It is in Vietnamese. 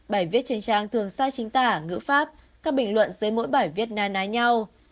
bài viết trên trang thường sai chính tả ngữ pháp các bình luận dưới mỗi bài viết nai nái nhau